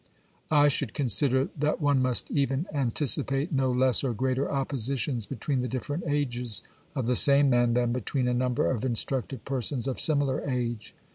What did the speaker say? I should consider that one must even anticipate no less or greater oppositions between the different ages of the same man than between a number of instructed persons of similar age.